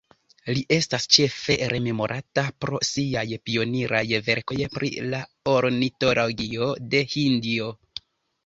Li estas ĉefe rememorata pro siaj pioniraj verkoj pri la ornitologio de Hindio.